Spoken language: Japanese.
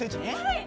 はい！